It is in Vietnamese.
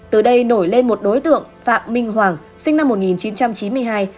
từ đây nổi lên một đối tượng phạm minh hoàng sinh năm một nghìn chín trăm chín mươi hai